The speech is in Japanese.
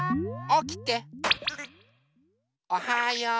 おはよう。